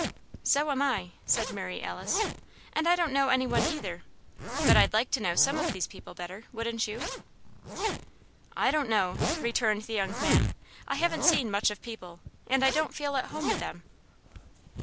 "So am I," said Mary Alice, "and I don't know any one either. But I'd like to know some of these people better; wouldn't you?" "I don't know," returned the young man. "I haven't seen much of people, and I don't feel at home with them."